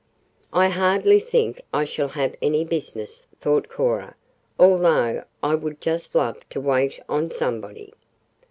"I hardly think I shall have any business," thought Cora, "although I would just love to wait on somebody."